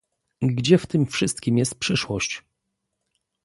"Gdzie w tym wszystkim jest przyszłość?"